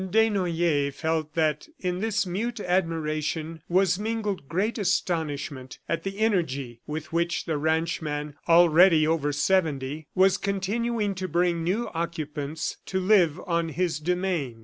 Desnoyers felt that in this mute admiration was mingled great astonishment at the energy with which the ranchman, already over seventy, was continuing to bring new occupants to live on his demesne.